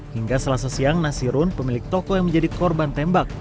hingga selasa siang nasirun pemilik toko yang menjadi korban tembak